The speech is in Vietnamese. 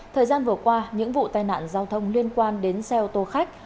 thời gian vừa qua những vụ tai nạn giao thông liên quan đến xe ô tô khách